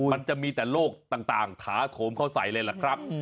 มันจะมีแต่โลกต่างถาโถมเข้าใส่เลยล่ะครับ